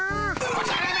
おじゃる丸！